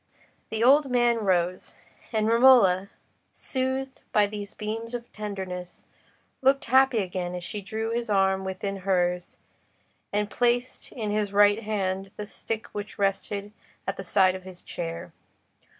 The old man rose, and Romola, soothed by these beams of tenderness, looked happy again as she drew his arm within hers, and placed in his right hand the stick which rested at the side of his chair.